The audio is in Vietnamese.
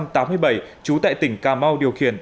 trú tại tỉnh cà mau